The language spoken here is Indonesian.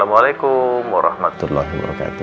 assalamualaikum wr wb